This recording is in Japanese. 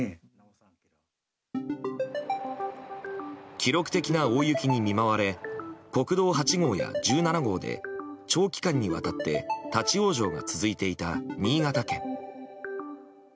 記録的な大雪に見舞われ国道８号や１７号で長期間にわたって立ち往生が続いていた新潟県。